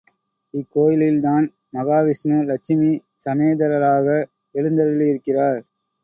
இக்கோயிலில் தான் மகாவிஷ்ணு லட்சுமி சமேதராக எழுந்தருளியிருக்கிறார்.